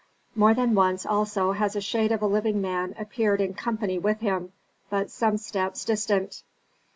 "More than once also has a shade of a living man appeared in company with him, but some steps distant."